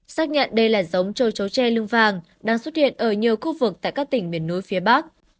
xác nhận đây là giống trâu chấu tre lương vàng đang xuất hiện ở nhiều khu vực tại các tỉnh miền núi phía bắc